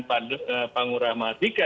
pak ngurah mahardika